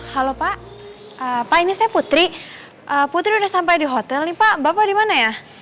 halo pak pak ini saya putri putri sudah sampai di hotel nih pak bapak dimana ya